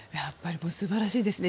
素晴らしいですね。